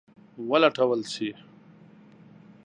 ولټول شي.